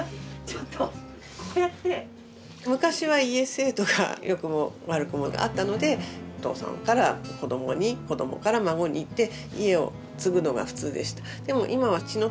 昔は家制度が良くも悪くもあったのでお父さんから子どもに子どもから孫にって家を継ぐのが普通でした。